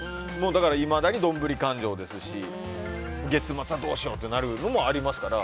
だからいまだにどんぶり勘定ですし月末はどうしようってなるのもありますから。